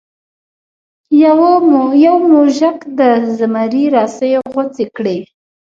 یو موږک د زمري رسۍ غوڅې کړې.